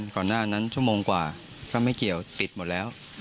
ก่อนหน้านั้นชั่วโมงกว่าถ้าไม่เกี่ยวปิดหมดแล้ว